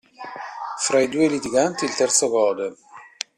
Fra i due litiganti il terzo gode.